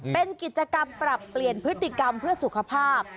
เป็นกิจกรรมปรับเปลี่ยนพฤติกรรมเพื่อสุขภาพ